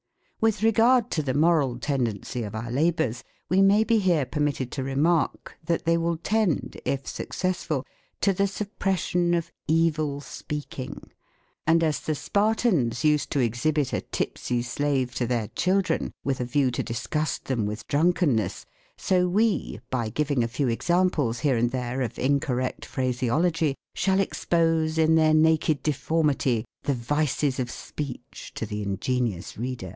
With regard to the moral tendency of our labors, we may be here permitted lo remark, that they will tend, if successful, to the suppression of evil speaking; and as tlie Spartans used to exhibit a tipsy slave to their children with a view to disgust them with drunkenness, so we, by giving a few examples here and there, of incorrect phraseology, shall expose, in their naked deformity, the vices of speech to the ingenious reader.